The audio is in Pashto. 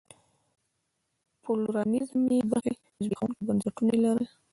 پلورالېزم بې برخې زبېښونکي بنسټونه یې لرل.